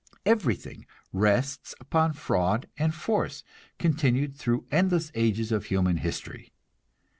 Everything rests upon fraud and force, continued through endless ages of human history.